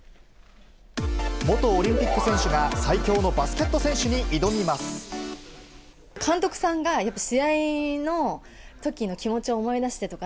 元オリンピック選手が最強の監督さんが、やっぱ、試合のときの気持ちを思い出してとか。